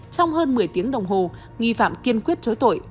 trong hơn một mươi tiếng đồng hồ nghi phạm kiên quyết chối tội